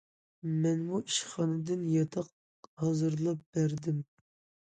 مەنمۇ ئىشخانىدىن ياتاق ھازىرلاپ بەردىم.